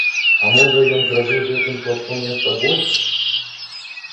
А можа, ён зрабіў з гэтым хлапцом нешта больш!